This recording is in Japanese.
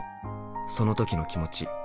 その時の気持ち。